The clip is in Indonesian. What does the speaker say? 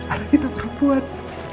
anak kita perempuan